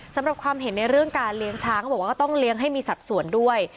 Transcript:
สำหรับความเห็นในเรื่องการเลี้ยงช้างเขาบอกว่าก็ต้องเลี้ยงให้มีสัดส่วนด้วย